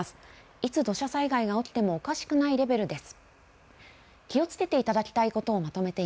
いつ土砂災害が起きてもおかしくないレベルです。